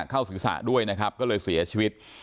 เข้าศีรษะด้วยนะครับก็เลยเสียชีวิต